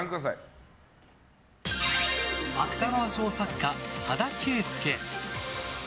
芥川賞作家・羽田圭介。